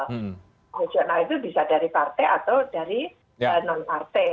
profesional itu bisa dari partai atau dari non partai